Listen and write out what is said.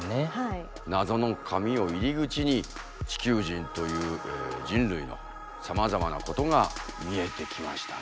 なぞの紙を入り口に地球人という人類のさまざまなことが見えてきましたね。